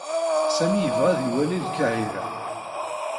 Sami yebɣa ad iwali Lqahiṛa.